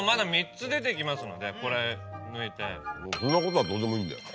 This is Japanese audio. そんなことはどうでもいいんだよ。